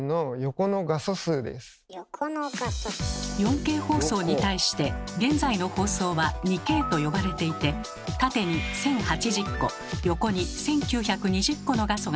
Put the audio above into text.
４Ｋ放送に対して現在の放送は「２Ｋ」と呼ばれていて縦に１，０８０個横に１，９２０個の画素が並んでいます。